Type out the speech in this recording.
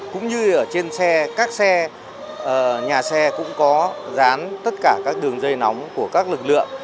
cũng như ở trên xe các xe nhà xe cũng có dán tất cả các đường dây nóng của các lực lượng